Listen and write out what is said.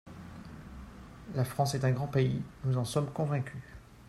La France est un grand pays, nous en sommes convaincus.